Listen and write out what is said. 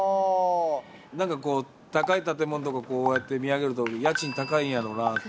なんかこう、高い建物とか、こうやって見上げると家賃高いんやろうなって。